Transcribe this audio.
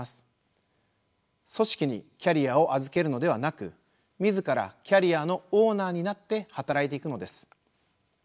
組織にキャリアを預けるのではなく自らキャリアのオーナーになって働いていくのです。